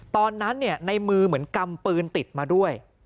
ตอนนั้นเนี่ยในมือเหมือนกำปืนติดมาด้วย